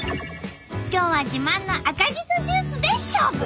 今日は自慢の赤じそジュースで勝負！